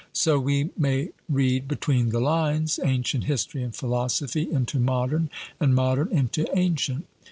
So we may read 'between the lines' ancient history and philosophy into modern, and modern into ancient.